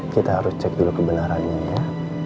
kita harus cek dulu kebenarannya ya